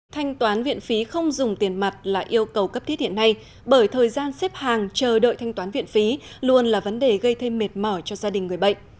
thanh toán viện phí không dùng tiền mặt là yêu cầu cấp thiết hiện nay bởi thời gian xếp hàng chờ đợi thanh toán viện phí luôn là vấn đề gây thêm mệt mỏi cho gia đình người bệnh